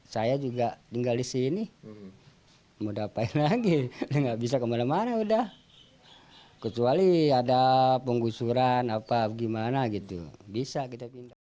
sudah kecuali ada penggusuran apa gimana gitu bisa kita pindah